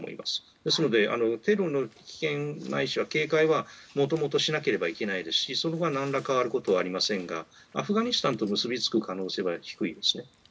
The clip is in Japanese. ですのでテロの危険ないしは警戒はもともとしなければいけないですしそこは何ら変わることはありませんがアフガニスタンと結びつく可能性は低いですね。